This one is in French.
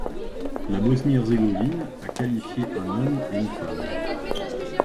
La Bosnie-Herzégovine a qualifié un homme et une femme.